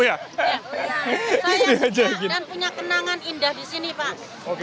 saya sudah dan punya kenangan indah disini pak